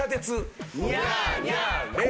ニャーニャー。